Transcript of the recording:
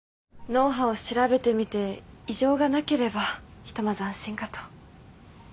脳波を調べてみて異常がなければひとまず安心かと。